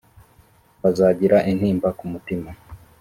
bazagira intimba ku mutima